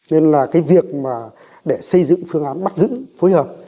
nên là cái việc mà để xây dựng phương án bắt giữ phối hợp